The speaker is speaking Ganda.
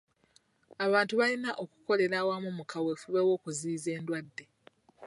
Abantu balina okukolera awamu mu kaweefube w'okuziyiza endwadde.